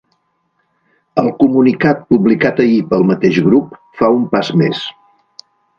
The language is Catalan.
El comunicat publicat ahir pel mateix grup fa un pas més.